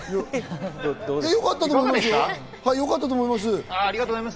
よかったと思います。